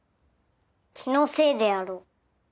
気のせいであろう。